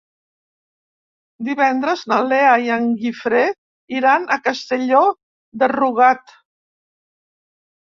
Divendres na Lea i en Guifré iran a Castelló de Rugat.